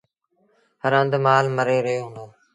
هر هنڌ مآل مري رهيو هُݩدو۔